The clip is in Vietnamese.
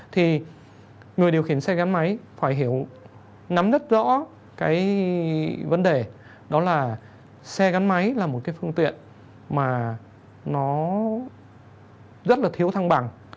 thì người điều khiển xe gắn máy phải hiểu nắm rất rõ cái vấn đề đó là xe gắn máy là một cái phương tiện mà nó rất là thiếu thăng bằng